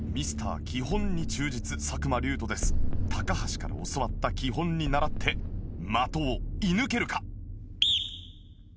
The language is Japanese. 橋から教わった基本にならって的を射抜けるか？